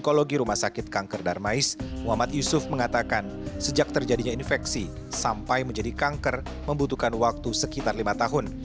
psikologi rumah sakit kanker darmais muhammad yusuf mengatakan sejak terjadinya infeksi sampai menjadi kanker membutuhkan waktu sekitar lima tahun